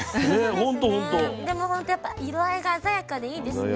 でもほんとやっぱ色合いが鮮やかでいいですね。